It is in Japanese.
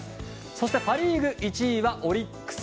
そしてパ・リーグ１位はオリックス。